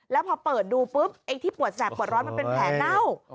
แล้วพอเปิดดูปุ๊บไอ้ที่ปวดแสบปวดร้อนมันเป็นแผลเน่า